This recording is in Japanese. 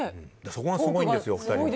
そこがすごいんですよ、お二人。